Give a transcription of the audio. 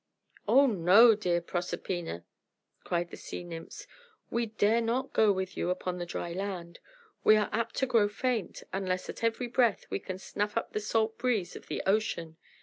"Oh, no, dear Proserpina," cried the sea nymphs; "we dare not go with you upon the dry land. We are apt to grow faint, unless at every breath we can snuff up the salt breeze of the ocean.